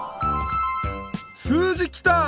数字きた！